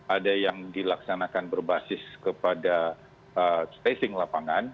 ada yang dilaksanakan berbasis kepada tracing lapangan